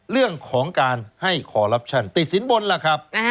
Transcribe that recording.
เรื่องของการให้คอลลับชั่นติดสินบนล่ะครับ